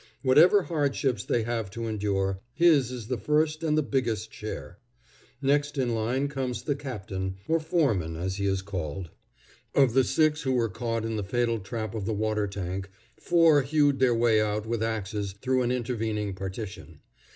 Whatever hardships they have to endure, his is the first and the biggest share. Next in line comes the captain, or foreman, as he is called. Of the six who were caught in the fatal trap of the water tank, four hewed their way out with axes through an intervening partition.